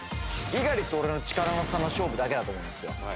猪狩と俺の力の差の勝負だけだと思うんですよ。